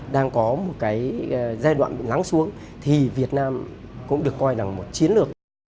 đang có một cái giai đoạn lắng xuống thì việt nam cũng được coi là một chiến lược